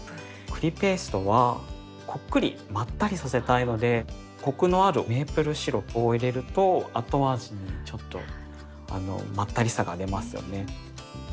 栗ペーストはこっくりまったりさせたいのでコクのあるメープルシロップを入れると後味ちょっとまったりさが出ますよね。